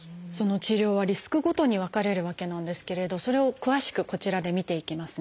治療はリスクごとに分かれるわけなんですけれどそれを詳しくこちらで見ていきますね。